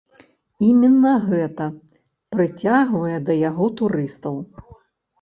Іменна гэта прыцягвае да яго турыстаў.